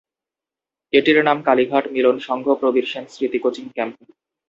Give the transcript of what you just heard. এটির নাম কালীঘাট মিলন সংঘ প্রবীর সেন স্মৃতি কোচিং ক্যাম্প।